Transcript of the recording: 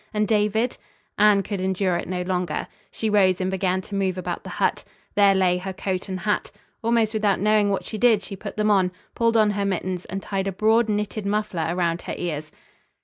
And David? Anne could endure it no longer. She rose and began to move about the hut. There lay her coat and hat. Almost without knowing what she did she put them on, pulled on her mittens and tied a broad, knitted muffler around her ears.